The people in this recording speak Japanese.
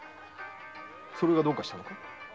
それがどうかしたのか？